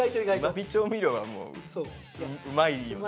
うま味調味料はもううまいよな。